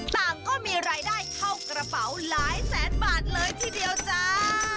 ต่างก็มีรายได้เข้ากระเป๋าหลายแสนบาทเลยทีเดียวจ้า